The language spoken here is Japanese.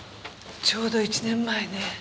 ちょうど１年前ね。